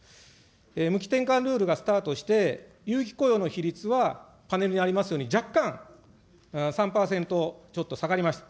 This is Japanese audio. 無期転換ルールがスタートして、有期雇用の比率は、パネルにありますように、若干３％ちょっと下がりました。